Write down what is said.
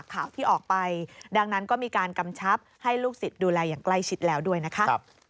ข่าวที่ออกไปดังนั้นก็มีการกำชับให้ลูกศิษย์ดูแลอย่างใกล้ชิดแล้วด้วยนะคะ